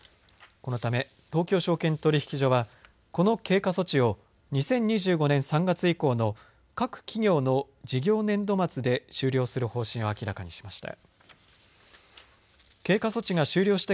このため東京証券取引所はこの経過措置を２０２５年３月以降の各企業の事業年度末で終了する方針を明らかにしました。